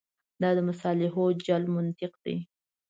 دا د مصالحو جلب منطق دی.